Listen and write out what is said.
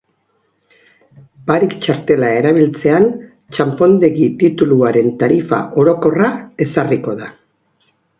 Barik txartela erabiltzean txanpondegi-tituluaren tarifa orokorra ezarriko da.